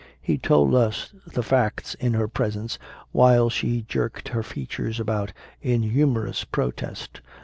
He told us the facts in her presence, while she jerked her features about in humorous protest.